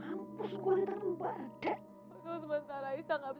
aisyah kamu juga tidak tega marah ini ibu